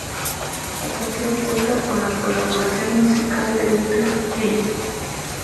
La canción cuenta con la colaboración musical de Wyclef Jean.